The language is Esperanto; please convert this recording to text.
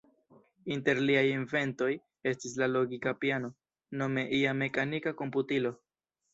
Inter liaj inventoj estis la logika piano, nome ia mekanika komputilo.